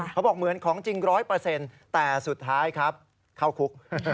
เขาบอกเหมือนของจริงร้อยเปอร์เซ็นต์แต่สุดท้ายครับเข้าคุก